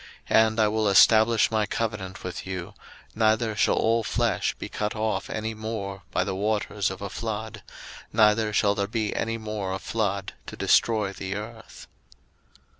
01:009:011 And I will establish my covenant with you, neither shall all flesh be cut off any more by the waters of a flood; neither shall there any more be a flood to destroy the earth.